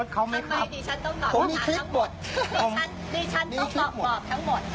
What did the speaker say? ดิฉันต้องตอบทั้งหมด